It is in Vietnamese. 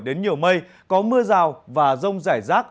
đến nhiều mây có mưa rào và rông rải rác